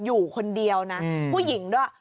อยู่คนเดียวนะผู้หญิงด้วย